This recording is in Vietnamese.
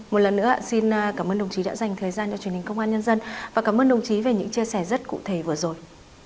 một lần nữa xin cảm ơn đồng chí đã dành thời gian cho truyền hình công an nhân dân và cảm ơn đồng chí về những chia sẻ rất cụ thể vừa rồi